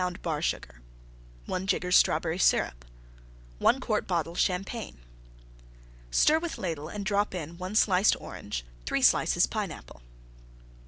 Bar Sugar. 1 jigger Strawberry Syrup. 1 quart bottle Champagne. Stir with Ladle and drop in: 1 sliced Orange. 3 slices Pineapple.